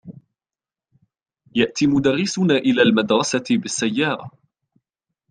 يأتي مدرسنا إلى المدرسة بالسيارة.